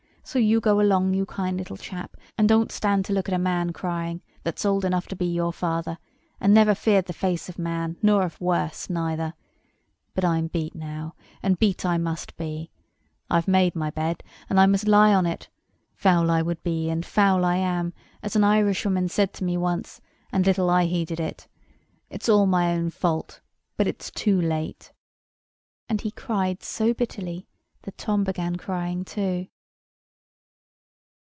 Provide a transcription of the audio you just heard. So you go along, you kind little chap, and don't stand to look at a man crying, that's old enough to be your father, and never feared the face of man, nor of worse neither. But I'm beat now, and beat I must be. I've made my bed, and I must lie on it. Foul I would be, and foul I am, as an Irishwoman said to me once; and little I heeded it. It's all my own fault: but it's too late." And he cried so bitterly that Tom began crying too.